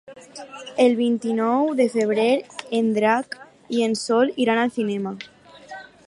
El vint-i-nou de febrer en Drac i en Sol iran al cinema.